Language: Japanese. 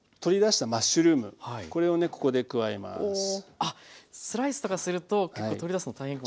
あっスライスとかすると結構取り出すの大変かも。